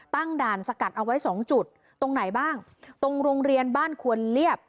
ตั้งด่านสกัดเอาไว้สองจุดตรงไหนบ้างตรงโรงเรียนบ้านควนเรียบ